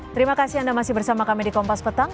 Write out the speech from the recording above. terima kasih anda masih bersama kami di kompas petang